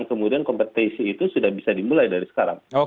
kemudian kompetisi itu sudah bisa dimulai dari sekarang